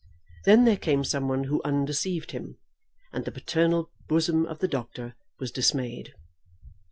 Then there came some one who undeceived him, and the paternal bosom of the doctor was dismayed.